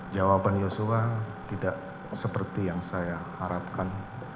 jawaban yosua tidak seperti yang saya harapkan